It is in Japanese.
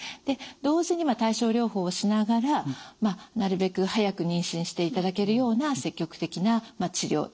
で同時に対症療法をしながらなるべく早く妊娠していただけるような積極的な治療